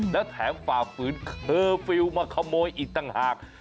แล้วแถมฝ่าฝืนเคอร์ฟิลล์มาขโมยอีกต่างหาก